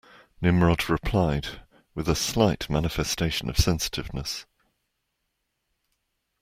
Nimrod replied, with a slight manifestation of sensitiveness.